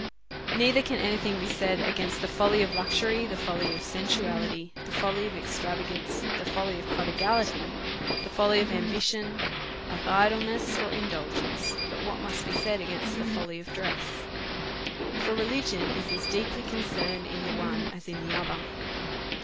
Neither can any thing be said against the folly of luxury, the folly of sensuality, the folly of extrava g ance, the folly of prodigality, the folly of ambition, of idleness or indulgence, but what must be said against the folly of dress ; for religion is as deeply concerned in the one as in the, other.